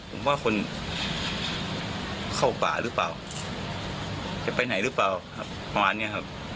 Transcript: ผมว่าคนเข้าป่าหรือเปล่าจะไปไหนหรือเปล่าครับประมาณเนี้ยครับ